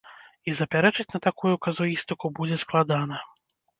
І запярэчыць на такую казуістыку будзе складана.